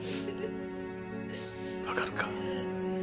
わかるか？